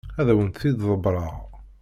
Ad awent-t-id-ḍebbreɣ.